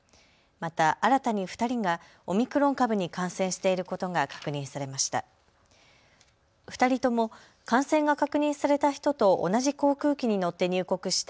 また新たに２人がオミクロン株に感染していることが確認されました。